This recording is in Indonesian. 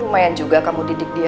lumayan juga kamu didik dia